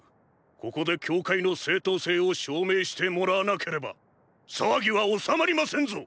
ここで教会の正当性を証明してもらわなければ騒ぎは収まりませんぞ！！